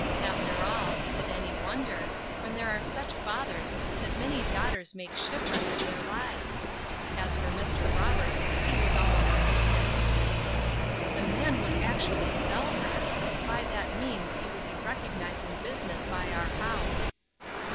After all, is it any wonder, when there are such fathers that many daughters make shipwreck of their lives? As for Mr. Roberts, he was almost indignant: "The man would actually sell her, if by that means he could be recognized in business by our house."